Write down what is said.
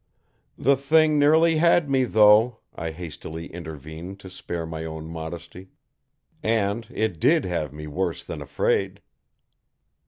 "The Thing nearly had me, though," I hastily intervened to spare my own modesty. "And It did have me worse than afraid!"